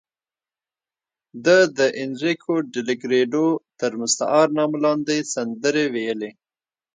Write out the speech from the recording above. ده د اینریکو ډیلکریډو تر مستعار نامه لاندې سندرې ویلې.